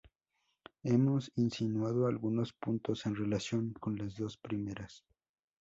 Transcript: Hemos insinuado algunos puntos en relación con las dos primeras.